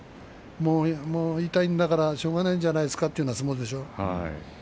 もう痛いんだからしょうがないんじゃないですかという相撲ですよ。